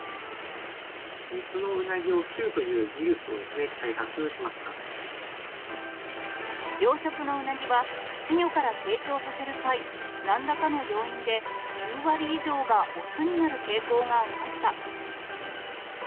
雌のうなぎを作るという技術養殖のうなぎは、稚魚から成長させる際、なんらかの要因で、９割以上が雄になる傾向がありました。